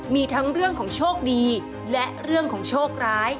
มีทั้งเรื่องของโชคดีและเรื่องของโชคร้าย